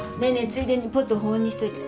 ついでにポット保温にしといて。